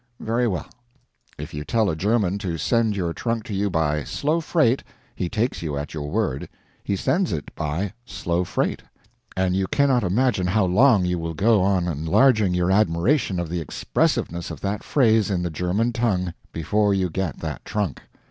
Very well; if you tell a German to send your trunk to you by "slow freight," he takes you at your word; he sends it by "slow freight," and you cannot imagine how long you will go on enlarging your admiration of the expressiveness of that phrase in the German tongue, before you get that trunk.